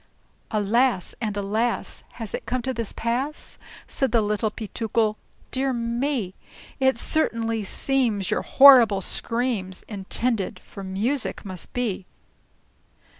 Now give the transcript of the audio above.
"Alas! and alas! has it come to this pass?" Said the Little Peetookle. "Dear me! It certainly seems your horrible screams Intended for music must be!"